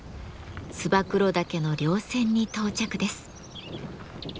燕岳の稜線に到着です。